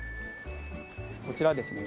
こちらはですね